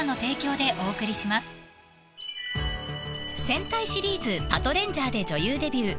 ［戦隊シリーズパトレンジャーで女優デビュー］